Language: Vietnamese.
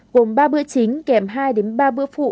gồm ba bữa chính kèm hai ba bữa phụ